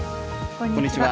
こんにちは。